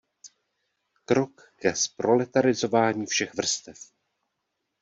Krok ke zproletarizování všech vrstev.